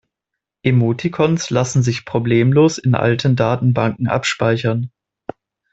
Emoticons lassen sich problemlos in alten Datenbanken abspeichern.